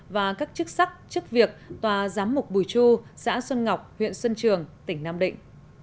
và các chức sắc chức việc tòa giám mục bùi chu xã xuân ngọc huyện xuân trường tỉnh nam định